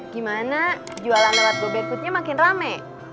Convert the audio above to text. gimana jualan lewat go bear foodnya makin rame